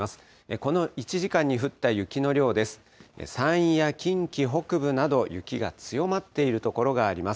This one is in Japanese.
この１時間に降った雪の量です。